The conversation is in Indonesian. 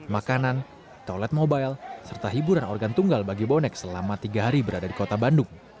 makanan toilet mobile serta hiburan organ tunggal bagi bonek selama tiga hari berada di kota bandung